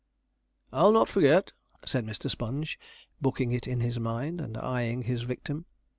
'I'll not forget,' said Mr. Sponge, booking it in his mind, and eyeing his victim.